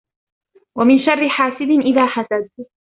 وَمِنْ شَرِّ حَاسِدٍ إِذَا حَسَدَ